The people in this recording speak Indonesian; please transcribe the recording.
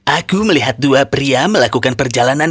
aku melihat dua pria melakukan perjalanan